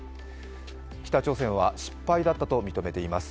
北朝鮮は失敗だったと認めています。